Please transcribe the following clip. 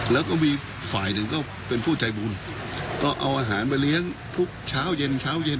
แล้วก็มีฝ่ายหนึ่งก็เป็นผู้ใจบุญก็เอาอาหารมาเลี้ยงทุกเช้าเย็นเช้าเย็น